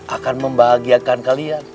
akan membahagiakan kalian